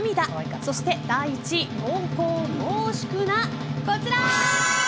そして第１位、濃厚濃縮なこちら。